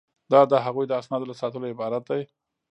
دا د هغوی د اسنادو له ساتلو عبارت ده.